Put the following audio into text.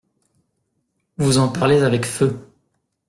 Vous en parlez avec feu.